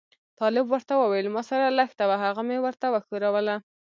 طالب ورته وویل ما سره لښته وه هغه مې ورته وښوروله.